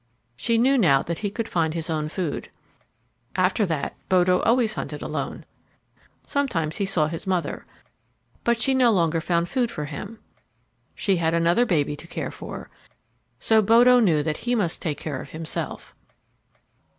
She knew now that he could find his own food. After that Bodo always hunted alone. Sometimes he saw his mother, but she no longer found food for him. She had another baby to care for, so Bodo knew that he must take care of himself.